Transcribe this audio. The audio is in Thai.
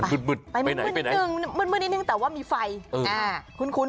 อุ้ยมันมืดไปไหน